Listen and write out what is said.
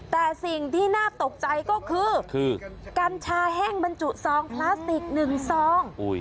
แต่สิ่งที่น่าตกใจก็คือกัญชาแห้งบรรจุซองพลาสติก๑ซอง